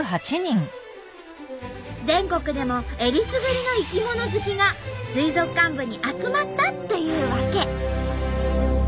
全国でもえりすぐりの生き物好きが水族館部に集まったっていうわけ。